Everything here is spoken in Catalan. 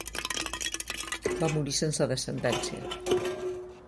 Va morir sense descendència.